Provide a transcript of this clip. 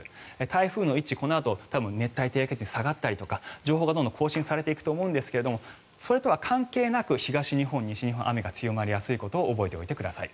台風の位置、このあと熱帯低気圧で下がったりとか情報がどんどん更新されていくと思うんですがそれとは関係なく東日本、西日本は雨が強まりやすいことを覚えておいてください。